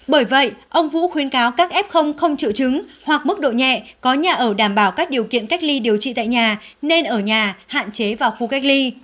bởi vậy ông vũ khuyên cáo các f không triệu chứng hoặc mức độ nhẹ có nhà ở đảm bảo các điều kiện cách ly điều trị tại nhà nên ở nhà hạn chế vào khu cách ly